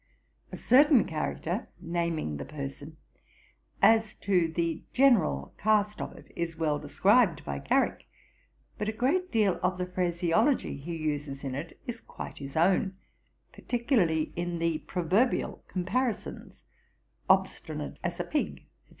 A certain character (naming the person) as to the general cast of it, is well described by Garrick, but a great deal of the phraseology he uses in it, is quite his own, particularly in the proverbial comparisons, "obstinate as a pig," &c.